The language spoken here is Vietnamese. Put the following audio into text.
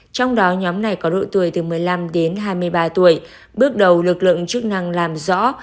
trong đó nhóm này có đội tuổi từ một mươi năm đến hai mươi ba tuổi bước đầu lực lượng chức năng làm rõ